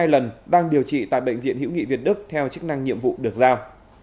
hai lần đang điều trị tại bệnh viện hữu nghị việt đức theo chức năng nhiệm vụ được giao